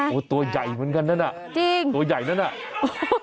โอ้โหตัวใหญ่เหมือนกันนั่นตัวใหญ่นั่นจริง